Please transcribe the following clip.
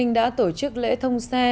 ngày ba mươi tháng tám